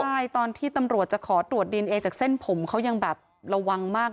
ใช่ตอนที่ตำรวจจะขอตรวจดีเอนเอจากเส้นผมเขายังแบบระวังมาก